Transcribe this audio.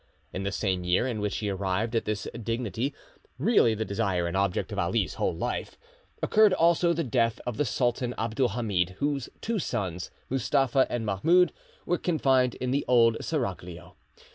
In the same year in which he arrived at this dignity, really the desire and object of Ali's whole life, occurred also the death of the Sultan Abdul Hamid, whose two sons, Mustapha and Mahmoud, were confined in the Old Seraglio.